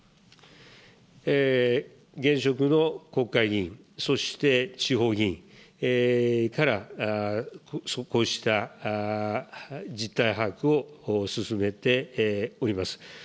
現職の国会議員、そして地方議員から、こうした実態把握を進めております。